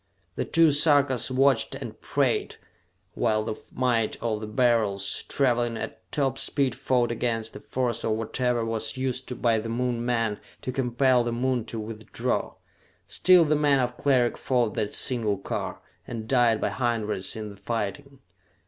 The two Sarkas watched and prayed while the might of the Beryls, traveling at top speed, fought against the force of whatever was used by the Moon men to compel the Moon to withdraw. Still the men of Cleric fought that single car, and died by hundreds in the fighting.